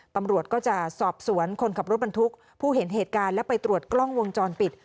ตำรวจก็จะสอบสวนคนขับรถบรรทุกผู้เห็นเหตุการณ์และไปตรวจกล้องวงจรปิด